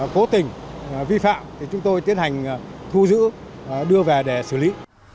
cố tình vi phạm thì chúng tôi tiến hành thu giữ đưa về để xử lý